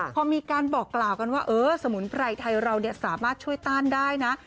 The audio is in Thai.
พอมีการบอกกล่าวกันว่าเออสมุนไพรไทยเราสามารถช่วยต้านได้นะ